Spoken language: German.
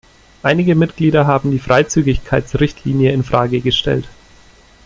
Einige Mitglieder haben die Freizügigkeits-Richtlinie in Frage gestellt.